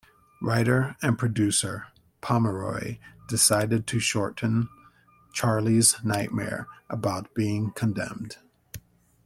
Writer and producer Pomeroy decided to shorten Charlie's nightmare about being condemned.